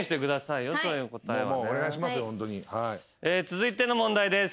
続いての問題です。